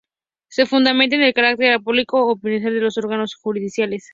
Se fundamenta en el carácter apolítico e imparcial de los órganos jurisdiccionales.